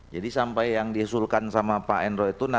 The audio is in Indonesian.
jadi sampai yang dihasilkan sama pak enro itu